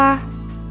aku tuh ga tau